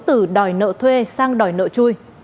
từ đòi nợ thuê sang đòi nợ chui